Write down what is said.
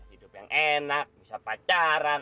hidup yang enak bisa pacaran